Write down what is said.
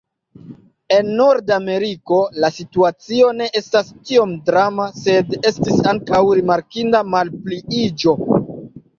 En Nordameriko la situacio ne estas tiom drama, sed estis ankaŭ rimarkinda malpliiĝo.